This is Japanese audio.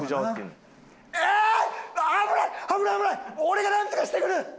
俺がなんとかしてくる！